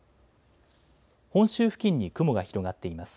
本州付近に雲が広がっています。